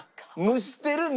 蒸してた。